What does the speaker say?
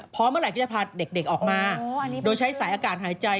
เมื่อไหร่ก็จะพาเด็กออกมาโดยใช้สายอากาศหายใจ